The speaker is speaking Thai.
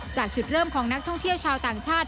จากจุดเริ่มของนักท่องเที่ยวชาวต่างชาติ